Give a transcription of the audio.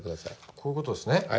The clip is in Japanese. こういう事ですね？